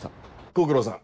ご苦労さん